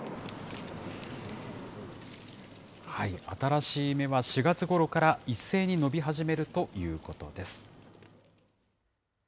新しい芽は４月ごろから一斉に伸び始めるということです。